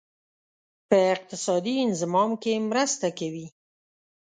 په اقتصادي انضمام کې مرسته کوي.